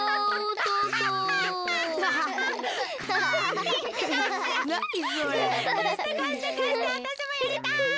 かしてかしてかしてわたしもやりたい！